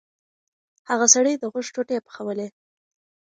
هغه سړي د غوښو ټوټې پخولې.